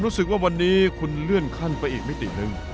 รู้สึกว่าวันนี้คุณเลื่อนขั้นไปอีกมิติหนึ่ง